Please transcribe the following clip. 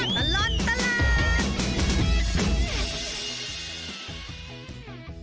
ชั่วตลอดตลาด